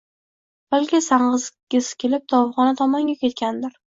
– Balki, sang‘igisi kelib, tovuqxona tomonga ketgandir